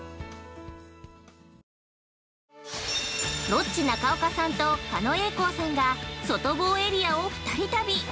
◆ロッチ中岡さんと狩野英孝さんが外房エリアを２人旅。